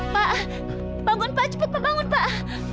pak bangun pak cepet bangun pak